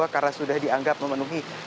karena sudah dianggap memenuhi